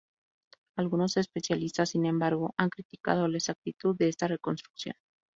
Algunos especialistas, sin embargo, han criticado la exactitud de esta reconstrucción.